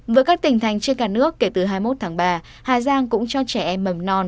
với các tỉnh thành trên cả nước kể từ hai mươi một tháng ba hà giang cũng cho trẻ em mầm non